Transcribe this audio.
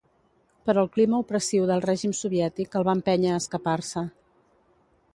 Però el clima opressiu del règim soviètic el va empènyer a escapar-se.